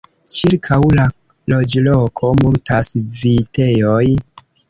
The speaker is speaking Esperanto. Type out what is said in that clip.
Ĉirkaŭ la loĝloko multas vitejoj.